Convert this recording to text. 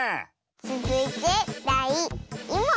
つづいてだい２もん！